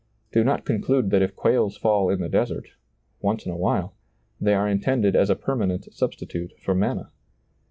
Do not conclude that if quails fail in the desert — once in a while — they are intended as a permanent substitute for manna.